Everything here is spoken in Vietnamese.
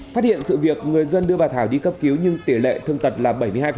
phát hiện sự việc người dân đưa bà thảo đi cấp cứu nhưng tỷ lệ thương tật là bảy mươi hai